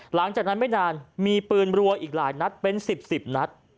หลังจากนั้นไม่นานมีปืนรัวอีกหลายนัดเป็น๑๐๑๐นัด